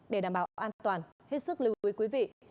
để đảm bảo an toàn hết sức lưu ý quý vị